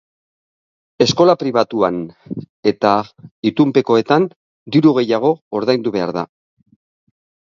Eskola pribatuan eta itunpekoetan diru gehiago ordaindu behar da.